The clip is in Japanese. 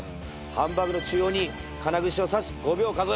ハンバーグの中央に金串を刺し５秒数える。